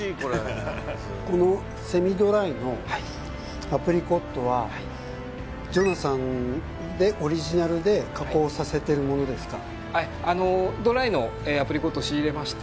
このセミドライのアプリコットはジョナサンでオリジナルで加工させてるものですか？